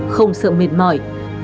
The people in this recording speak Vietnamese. không sợ mệt mỏi